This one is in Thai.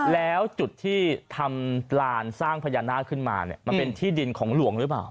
แล้วจุดที่ทำลานสร้างพญานาคขึ้นมาเนี่ยมันเป็นที่ดินของหลวงหรือเปล่า